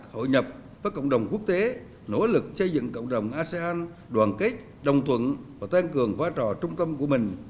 hội nhập với cộng đồng quốc tế nỗ lực xây dựng cộng đồng asean đoàn kết đồng tuận và tăng cường vai trò trung tâm của mình